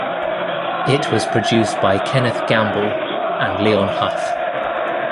It was produced by Kenneth Gamble and Leon Huff.